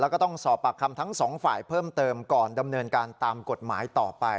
แล้วก็ต้องสอบปากคำทั้งสองฝ่ายเพิ่มเติมก่อนดำเนินการตามกฎหมายต่อไป